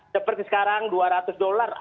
seperti sekarang dua ratus dollar